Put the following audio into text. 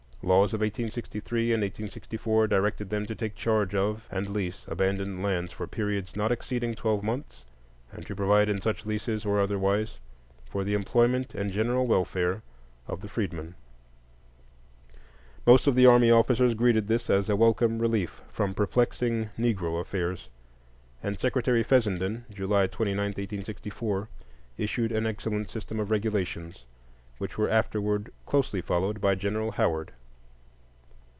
Laws of 1863 and 1864 directed them to take charge of and lease abandoned lands for periods not exceeding twelve months, and to "provide in such leases, or otherwise, for the employment and general welfare" of the freedmen. Most of the army officers greeted this as a welcome relief from perplexing "Negro affairs," and Secretary Fessenden, July 29, 1864, issued an excellent system of regulations, which were afterward closely followed by General Howard.